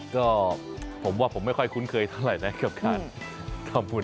ก็ผมว่าผมไม่ค่อยคุ้นเคยเท่าไหร่นะกับการทำบุญ